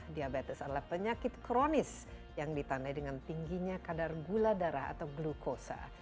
diabetes adalah penyakit kronis yang ditandai dengan tingginya kadar gula darah atau glukosa